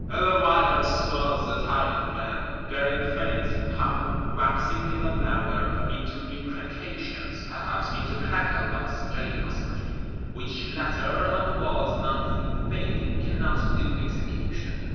Ever wilder swells the tide of men; their infinite hum waxing ever louder, into imprecations, perhaps into crackle of stray musketry, which latter, on walls nine feet thick, cannot do execution.